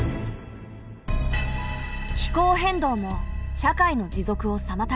気候変動も社会の持続をさまたげる。